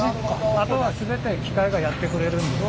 あとは全て機械がやってくれるんです。